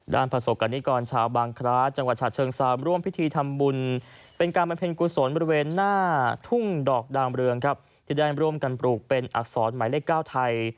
ประสบกรณิกรชาวบางคล้าจังหวัดฉะเชิงซามร่วมพิธีทำบุญเป็นการบำเพ็ญกุศลบริเวณหน้าทุ่งดอกดามเรืองครับที่ได้ร่วมกันปลูกเป็นอักษรหมายเลข๙ไทย